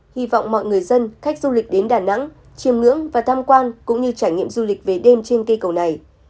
hy vọng mọi người dân khách du lịch đến đà nẵng chiêm ngưỡng và tham quan cũng như trải nghiệm du lịch về đêm trên cây cầu này